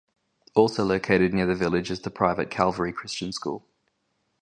Also located near the village is the private Calvary Christian School.